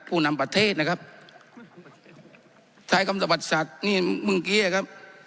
ผู้นำประเทศนะครับใช้คำตบัติศาสตร์นี่มึงเกียร์ครับ